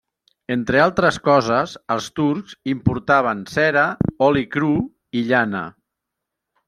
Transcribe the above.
Entre altres coses, els turcs importaven cera, oli cru i llana.